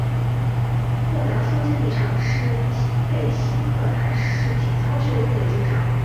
沃达丰竞技场是贝西克塔什体操俱乐部的主场。